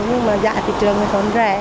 nhưng mà dạ thị trường thì còn rẻ